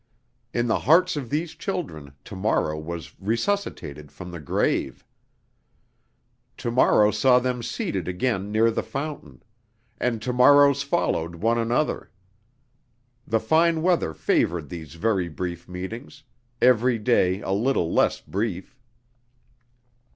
In the hearts of these children Tomorrow was resuscitated from the grave. Tomorrow saw them seated again near the fountain. And tomorrows followed one another. The fine weather favored these very brief meetings, every day a little less brief.